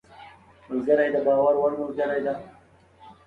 ملګری د باور وړ ملګری دی